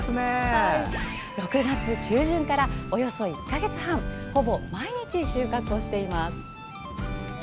６月中旬から、およそ１か月半ほぼ毎日収穫をしています。